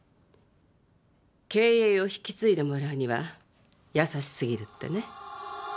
経営を引き継いでもらうには優しすぎるってね。